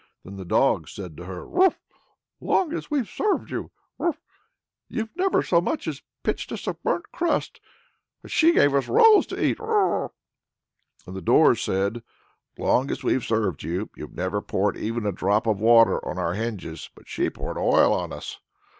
Then the dogs said to her, "Long as we've served you, you've never so much as pitched us a burnt crust; but she gave us rolls to eat." And the doors said, "Long as we've served you, you've never poured even a drop of water on our hinges; but she poured oil on us."